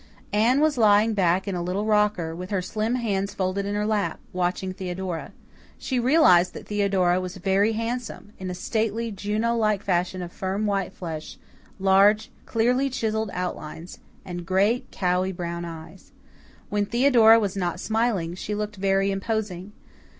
Anne was lying back in a little rocker, with her slim hands folded in her lap, watching Theodora. She realized that Theodora was very handsome, in a stately, Juno like fashion of firm, white flesh, large, clearly chiselled outlines, and great, cowey, brown eyes. When Theodora was not smiling, she looked very imposing.